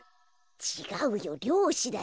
ちがうよりょうしだよ。